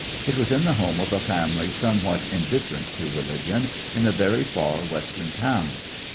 It was in the home of a family somewhat indiffer ent to religion, in a very far Western town.